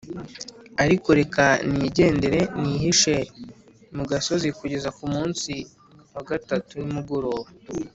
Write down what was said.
ariko reka nigendere nihishe mu gasozi kugeza ku munsi wa gatatu nimugoroba,